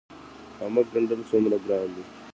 خامک ګنډل څومره ګران دي؟